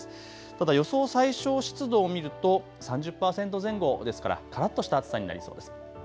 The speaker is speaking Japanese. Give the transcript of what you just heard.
ただ予想最小湿度を見ると３０％前後ですからからっとした暑さになりそうです。